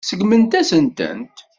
Seggment-asent-tent.